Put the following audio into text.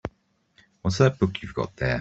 What's that book you've got there?